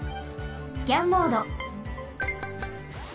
スキャンモード。